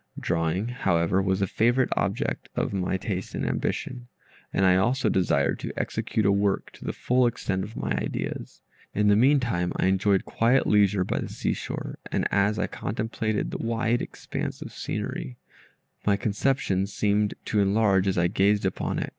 Drawing, however, was a favorite object of my taste and ambition, and I also desired to execute a work to the full extent of my ideas. In the meantime, I enjoyed quiet leisure by the sea shore, and as I contemplated the wide expanse of scenery, my conception seemed to enlarge as I gazed upon it.